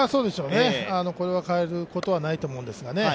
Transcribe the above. これは変えることはないと思うんですが。